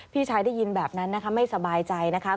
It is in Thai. พี่ชายได้ยินแบบนั้นนะคะไม่สบายใจนะคะ